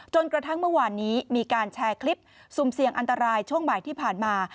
จนกระทั่งเมื่อวานนี้มีการแชร์คลิปสุ่มเสี่ยงอันตรายช่วงบ่ายที่ผ่านมา